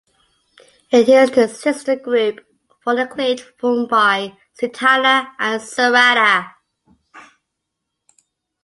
It is the sister group for the clade formed by "Sitana" and "Sarada".